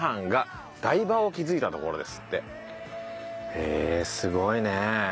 へえすごいね。